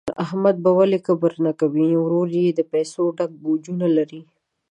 احمد به ولي کبر نه کوي، ورور یې د پیسو ډک بوجونه لري.